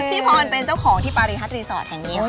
พี่พรเป็นเจ้าของที่ปารีฮัตรีสอร์ทแห่งนี้ค่ะ